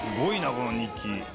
この日記。